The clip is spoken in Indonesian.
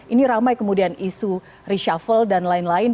ini ramai kemudian isu reshuffle dan lain lain